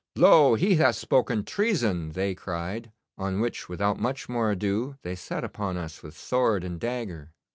"Lo, he hath spoken treason!" they cried, on which, without much more ado, they set upon us with sword and dagger.